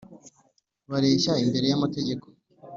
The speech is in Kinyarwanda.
Bareshya imbere y’amategeko